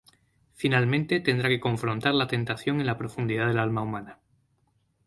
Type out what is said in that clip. Finalmente tendrá que confrontar la tentación en la profundidad del alma humana.